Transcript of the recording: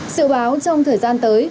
sự báo trong thời gian qua